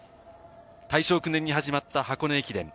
大正９年に始まった箱根駅伝。